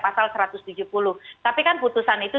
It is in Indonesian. pasal satu ratus tujuh puluh tapi kan putusan itu